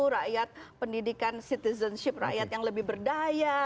rakyat pendidikan citizenship rakyat yang lebih berdaya